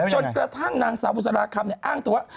จนกระทั่งนางสาวบุษราคำอ้างตัวว่า